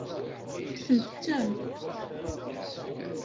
Kksemt-ten.